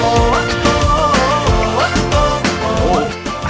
boleh boleh boleh